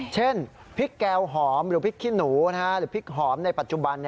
เช่นพริกแกงหอมหรือพริกขี้หนูหรือพริกหอมในปัจจุบัน